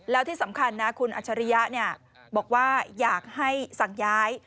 แล้วที่สำคัญนะคุณอัชริยะบอกว่าอยากให้สั่งย้าย